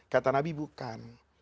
kata nabi bukan